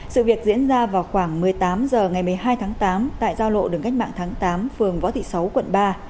sự việc diễn ra vào khoảng một mươi tám h ngày một mươi hai tháng tám tại giao lộ đường cách mạng tháng tám phường võ thị sáu quận ba